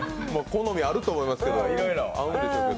好みあると思いますけど。